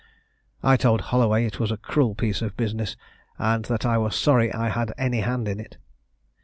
I told Holloway it was a cruel piece of business, and that I was sorry I had any hand in it.